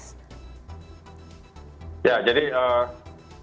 ya jadi kita sudah ada pengorganisasi